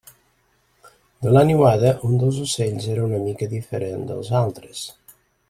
De la niuada, un dels ocells era una mica diferent dels altres.